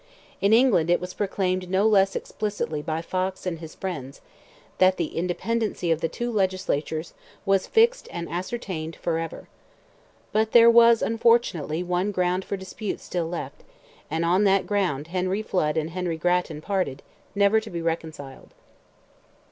In England it was proclaimed no less explicitly by Fox and his friends, that the independency of the two legislatures "was fixed and ascertained for ever." But there was, unfortunately, one ground for dispute still left, and on that ground Henry Flood and Henry Grattan parted, never to be reconciled.